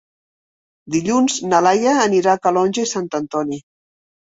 Dilluns na Laia anirà a Calonge i Sant Antoni.